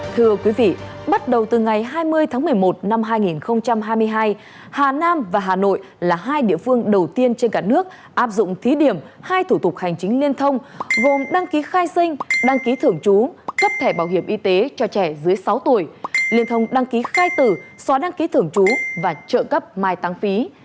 thưa quý vị bắt đầu từ ngày hai mươi tháng một mươi một năm hai nghìn hai mươi hai hà nam và hà nội là hai địa phương đầu tiên trên cả nước áp dụng thí điểm hai thủ tục hành chính liên thông gồm đăng ký khai sinh đăng ký thưởng chú cấp thẻ bảo hiểm y tế cho trẻ dưới sáu tuổi liên thông đăng ký khai tử xóa đăng ký thưởng chú và trợ cấp mai tăng phí